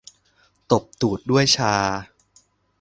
ตบตูดด้วยชา